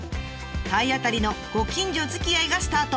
体当たりのご近所づきあいがスタート。